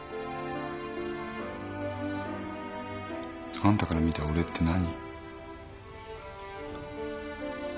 あんたから見た俺って何？